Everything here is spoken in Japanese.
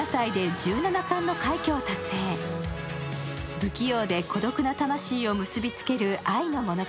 不器用で孤独な魂を結びつける愛の物語。